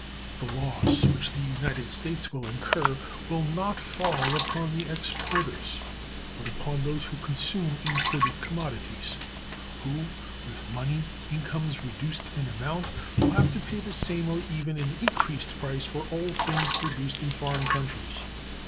The loss which [the United States] will incur will not fall upon the exporters, but upon those who consume imported commodities; who, with money incomes reduced in amount, will have to pay the same or even an increased price for all things produced in foreign countries.